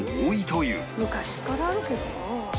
昔からあるけどな。